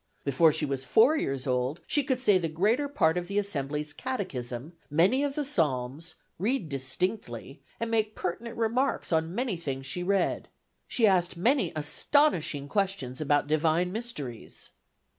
"Before she was four years old, she could say the greater part of the Assembly's Catechism, many of the Psalms, read distinctly, and make pertinent remarks on many things she read. She asked many astonishing questions about divine mysteries."